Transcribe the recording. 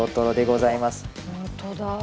「本当だ」